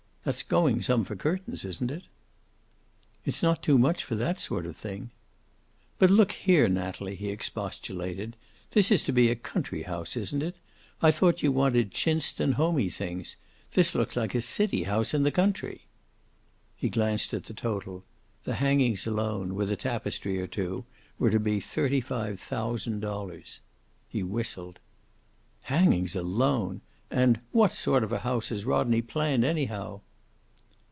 That's going some for curtains, isn't it?" "It's not too much for that sort of thing." "But, look here, Natalie," he expostulated. "This is to be a country house, isn't it? I thought you wanted chintzed and homey things. This looks like a city house in the country." He glanced down at the total. The hangings alone, with a tapestry or two, were to be thirty five thousand dollars. He whistled. "Hangings alone! And what sort of a house has Rodney planned, anyhow?"